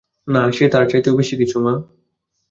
না, সে তার চাইতেও বেশিকিছু, মা।